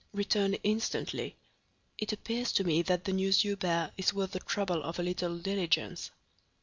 "Return instantly. It appears to me that the news you bear is worth the trouble of a little diligence."